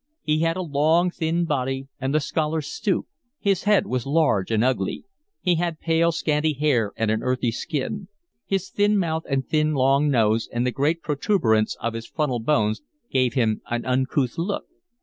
He had a long, thin body and the scholar's stoop; his head was large and ugly; he had pale scanty hair and an earthy skin; his thin mouth and thin, long nose, and the great protuberance of his frontal bones, gave him an uncouth look.